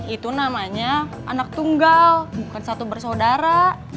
itu namanya anak tunggal bukan satu bersaudara